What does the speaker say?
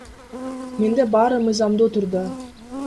Менде баары мыйзамдуу түрдө.